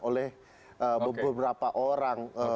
oleh beberapa orang